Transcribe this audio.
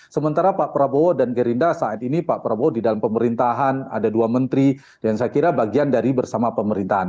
sementara pak prabowo dan gerinda saat ini pak prabowo di dalam pemerintahan ada dua menteri dan saya kira bagian dari bersama pemerintahan